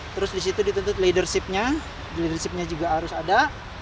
terus disitu dituntut leadership nya leadership nya juga harus ada